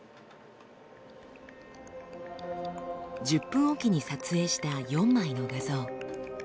１０分置きに撮影した４枚の画像。